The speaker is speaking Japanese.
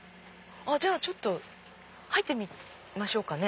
じゃあ入ってみましょうかね。